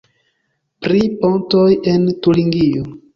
Pri pontoj en Turingio.